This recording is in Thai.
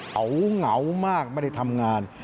เขาเหงามากไม่ได้ทำงาน